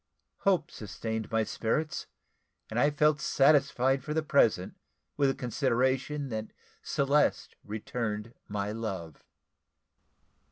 Hope sustained my spirits, and I felt satisfied for the present with the consideration that Celeste returned my love.